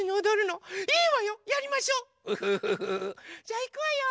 じゃあいくわよ！